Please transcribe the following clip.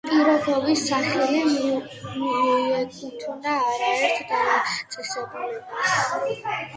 პიროგოვის სახელი მიეკუთვნა არაერთ დაწესებულებას.